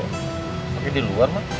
tapi di luar ma